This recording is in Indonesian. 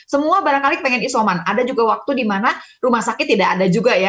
semua barangkali pengen isoman ada juga waktu di mana rumah sakit tidak ada juga ya